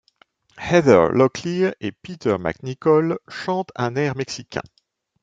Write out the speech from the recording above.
Heather Locklear et Peter MacNicol chantent un air mexicain.